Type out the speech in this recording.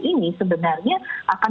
ini sebenarnya akan